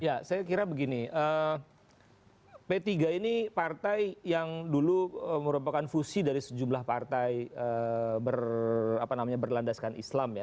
ya saya kira begini p tiga ini partai yang dulu merupakan fusi dari sejumlah partai berlandaskan islam ya